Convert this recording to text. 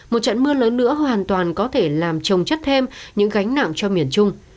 một trận mưa lớn nữa hoàn toàn có thể làm trồng chất thêm những gánh nặng cho miền trung